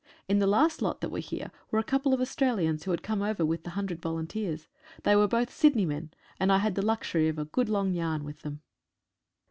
In the last lot that were here were a couple of Australians who had come over with the hundred volunteers. They were both Sydney men, and I had the luxury of a good long yarn with them.